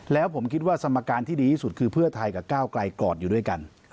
แล้วผมคิดว่าสมการที่ดีที่สุดคือเพื่อไทยกับก้าวไกลกอดอยู่ด้วยกัน